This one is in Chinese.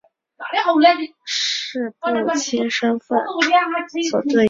此后天平元年长屋王之变时也以式部卿身份所对应。